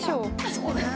そうね。